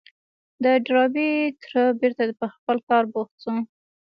د ډاربي تره بېرته پر خپل کار بوخت شو.